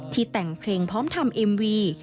แต่งเพลงพร้อมทำเอ็มวี